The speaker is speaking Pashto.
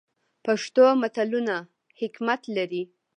پښتو متلونه حکمت لري